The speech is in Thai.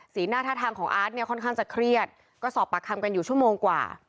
หน้าท่าทางของอาร์ตเนี่ยค่อนข้างจะเครียดก็สอบปากคำกันอยู่ชั่วโมงกว่า